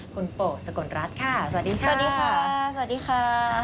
คุณโป๋สกลรัฐค่ะสวัสดีค่ะสวัสดีค่ะสวัสดีค่ะ